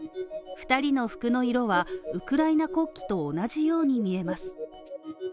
２人の服の色はウクライナ国旗と同じように見えます。